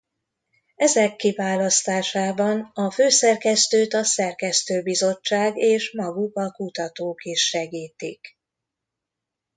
Ezek kiválasztásában a főszerkesztőt a szerkesztőbizottság és maguk a kutatók is segítik.